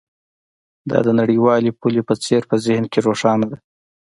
دا د نړیوالې پولې په څیر په ذهن کې روښانه ده